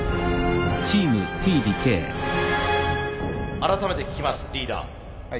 改めて聞きますリーダー。